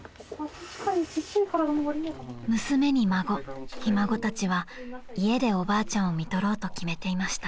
［娘に孫ひ孫たちは家でおばあちゃんをみとろうと決めていました］